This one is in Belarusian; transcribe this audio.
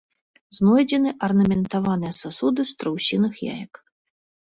Знойдзены арнаментаваныя сасуды з страусіных яек.